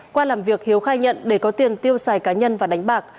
qua làm việc hiếu khai nhận để có tiền tiêu xài cá nhân và đánh bạc